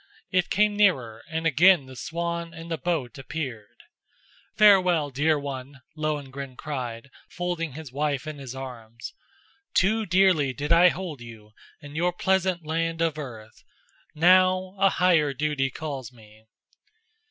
It came nearer and again the swan and the boat appeared. "Farewell, dear one," Lohengrin cried, folding his wife in his arms. "Too dearly did I hold you and your pleasant land of earth; now a higher duty calls me."